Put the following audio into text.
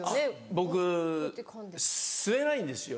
僕吸えないんですよ。